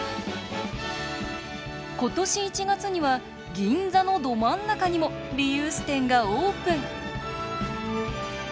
今年１月には銀座のど真ん中にもリユース店がオープン。